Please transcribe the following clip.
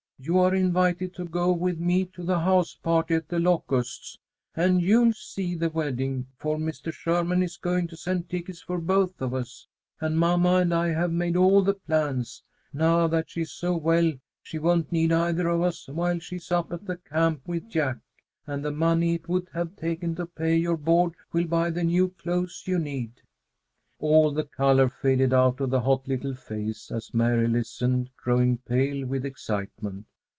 You are invited to go with me to the house party at The Locusts! And you'll see the wedding, for Mr. Sherman is going to send tickets for both of us, and mamma and I have made all the plans. Now that she is so well, she won't need either of us while she's up at the camp with Jack, and the money it would have taken to pay your board will buy the new clothes you need." All the color faded out of the hot little face as Mary listened, growing pale with excitement.